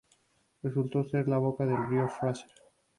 Resultó ser la boca del río Fraser.